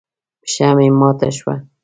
پښه مې ماته شوه.